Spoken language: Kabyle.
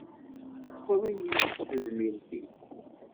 Tewweḍ-iyi-d tezmilt-ik